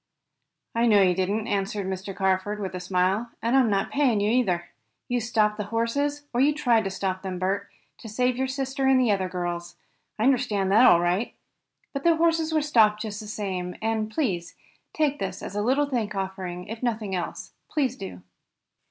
"I know you didn't," answered Mr. Carford, with a smile, "and I'm not paying you either. You stopped the horses, or you tried to stop them, Bert, to save your sister and the other girls. I understand that all right. But the horses were stopped just the same, and please take this as a little thank offering, if nothing else. Please do."